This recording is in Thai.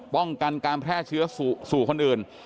ป้องกันการแพร่เชื้อสู่คนอื่น